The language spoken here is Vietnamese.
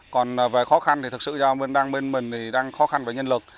còn về khó khăn thì thực sự do mình đang bên mình thì đang khó khăn về nhân lực